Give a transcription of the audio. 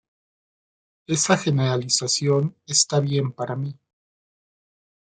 Esa generalización está bien para mí.